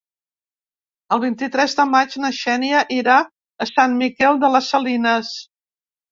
El vint-i-tres de maig na Xènia irà a Sant Miquel de les Salines.